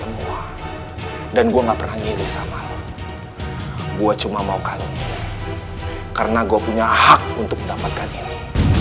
semua dan gua nggak pernah ngiri sama gue cuma mau kalah karena gue punya hak untuk mendapatkan ini